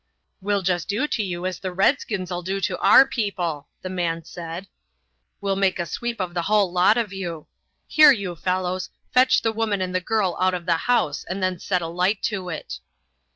"We'll just do to you as the redskins'll do to our people," the man said. "We'll make a sweep of the hull lot of you. Here, you fellows, fetch the woman and girl out of the house and then set a light to it."